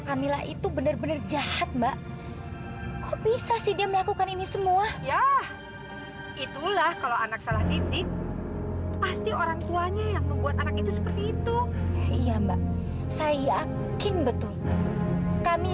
sampai jumpa di video selanjutnya